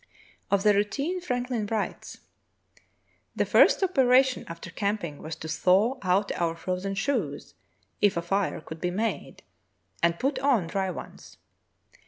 Of the routine Franklin writes: "The first operation after camping was to thaw out our frozen shoes, if a fire could be made, and put on dry ones.